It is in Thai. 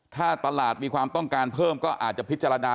ถ้าตลาดมีความต้องการเพิ่มก็อาจจะพิจารณา